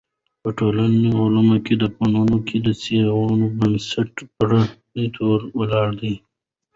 په ټولو علومو او فنونو کي د څېړنو بنسټ پر متونو ولاړ دﺉ.